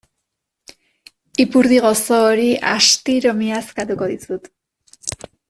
Ipurdi gozo hori astiro miazkatuko dizut.